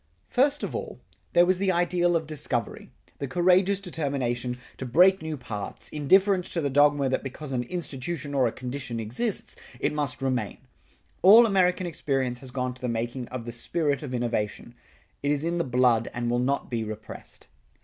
First of all, there was the ideal of discovery, the courageous determination to break new paths, indifference to the dogma that because an institution or a condition exists, it must remain. All American experience has gone to the making of the spirit of innovation; it is in the blood and will not be repressed.